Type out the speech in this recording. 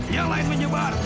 yang lain menyebar